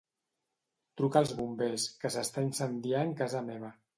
Truca als bombers, que s'està incendiant casa meva.